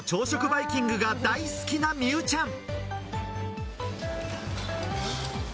バイキングが大好きな美羽ちゃん。